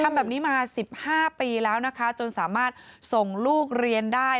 ทำแบบนี้มา๑๕ปีแล้วนะคะจนสามารถส่งลูกเรียนได้